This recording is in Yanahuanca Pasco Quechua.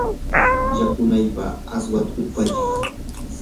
yakunarqaa aswata upyay.